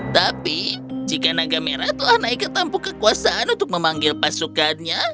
tapi jika naga merah telah naik ke tampuk kekuasaan untuk memanggil pasukannya